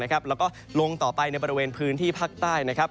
แล้วก็ลงต่อไปในบริเวณพื้นที่ภาคใต้นะครับ